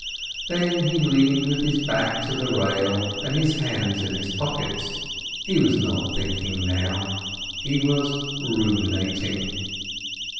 Then he leaned with his back to the rail and his hands in his pockets. He was not thinking now, he was ruminating.